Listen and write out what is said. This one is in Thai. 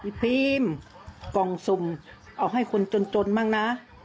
พี่พีมกล่องสุ่มเอาให้คนจนบ้างนะ